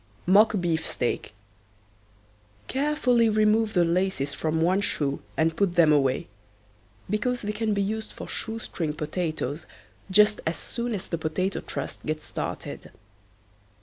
MOCK BEEFSTEAK. Carefully remove the laces from one shoe and put them away, because they can be used for shoe string potatoes just as soon as the Potato Trust gets started.